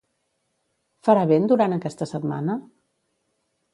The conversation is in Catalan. Farà vent durant aquesta setmana?